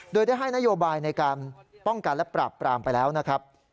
โดยได้ให้นโยบายในการป้องกันและปราบปรามไปแล้วนะครับ